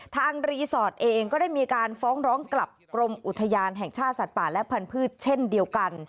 รีสอร์ทเองก็ได้มีการฟ้องร้องกลับกรมอุทยานแห่งชาติสัตว์ป่าและพันธุ์เช่นเดียวกัน